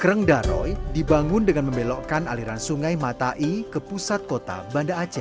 kreng daroy dibangun dengan membelokkan aliran sungai matai ke pusat kota banda aceh